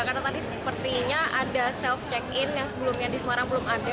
karena tadi sepertinya ada self check in yang sebelumnya di semarang belum ada